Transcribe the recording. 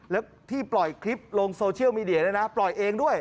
แล้วที่ปล่อยคลิปลงโซเชียลมีเดียด้วยนะปล่อยเองด้วย